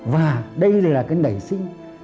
và đây là cái nảy sinh